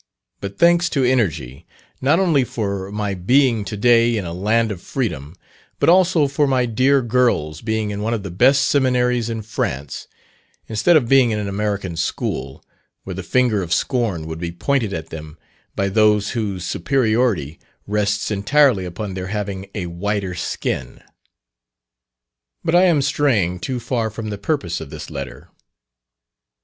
But thanks to energy, not only for my being to day in a land of freedom, but also for my dear girls being in one of the best seminaries in France, instead of being in an American school, where the finger of scorn would be pointed at them by those whose superiority rests entirely upon their having a whiter skin. But I am straying too far from the purpose of this letter.